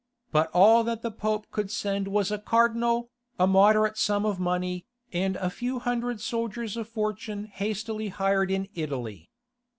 But all that the Pope could send was a cardinal, a moderate sum of money, and a few hundred soldiers of fortune hastily hired in Italy.